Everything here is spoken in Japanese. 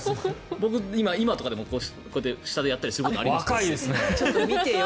僕、今とかでも下でやったりすることありますよ。